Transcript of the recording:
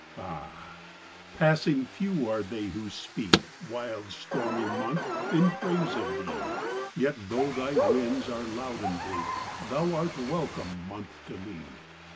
Ah, passing few are they who speak, Wild, stormy month, in praise of thee; Yet, though thy winds are loud and bleak, Thou art welcome month to me.